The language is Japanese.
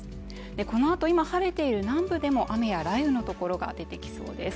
このあと今晴れている南部でも雨や雷雨のところが出てきそうです